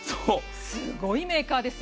すごいメーカーですよ。